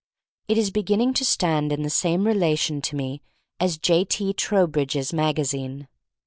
It is begin ning to stand in the same relation to me as J. T. Trowbridge's magazine.